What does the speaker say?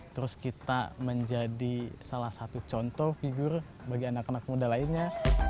terus kita menjadi salah satu contoh figur bagi anak anak muda lainnya